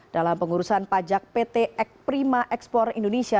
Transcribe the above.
dalam pengurusan pajak pt ekrima ekspor indonesia